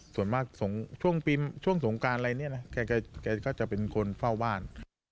ส่วนมากช่วงสงการอะไรเนี่ยนะแกก็จะเป็นคนเฝ้าบ้าน